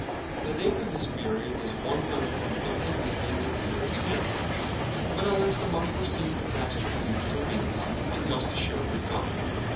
The date of this period is one hundred and fifty millions of years hence, but unless some unforeseen catastrophe intervenes, it must assuredly come.